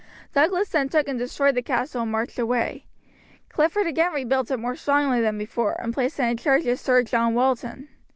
Douglas then took and destroyed the castle and marched away. Clifford again rebuilt it more strongly than before, and placed it in charge of Sir John Walton.